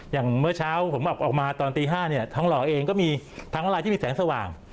อย่างเมื่อเช้าผมออกมาตอนตี๕เนี่ยทองหล่อเองก็มีทางมาลายที่มีแสงสว่าง